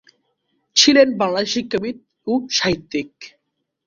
ছিলেন বাংলাদেশি শিক্ষাবিদ ও সাহিত্যিক।